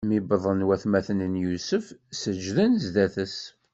Mi wwḍen watmaten n Yusef, seǧǧden zdat-s.